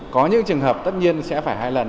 có những trường hợp tất nhiên sẽ phải hai lần